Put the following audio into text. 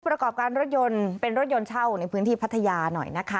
ประกอบการรถยนต์เป็นรถยนต์เช่าในพื้นที่พัทยาหน่อยนะคะ